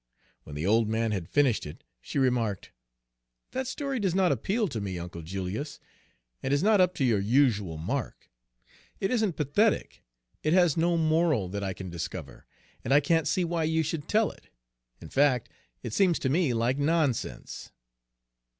When the old man had finished it she remarked: "That story does not appeal to me, Uncle Julius, and is not up to your usual mark. It isn't pathetic, it has no moral that I can discover, and I can't see why you should tell it. In fact, it seems to me like nonsense."